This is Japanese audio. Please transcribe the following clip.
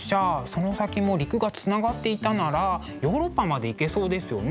その先も陸がつながっていたならヨーロッパまで行けそうですよね。